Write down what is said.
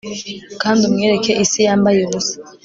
kandi umwereke isi yambaye ubusa